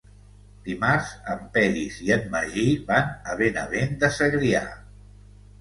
Dimarts en Peris i en Magí van a Benavent de Segrià.